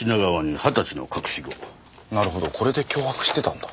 なるほどこれで脅迫してたんだ。